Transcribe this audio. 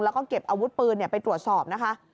แล้วก็เก็บอาวุธปืนไปตรวจสอบนะคะ